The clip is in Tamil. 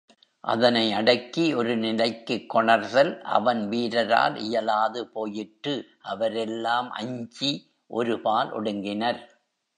அதனை அடக்கி ஒரு நிலைக்குக் கொணர்தல், அவன் வீரரால் இயலாது போயிற்று அவரெல்லாம் அஞ்சி, ஒருபால் ஒடுங்கினர்.